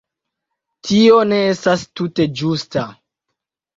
Tio ne estas tute ĝusta.